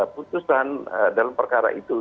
putusan dalam perkara itu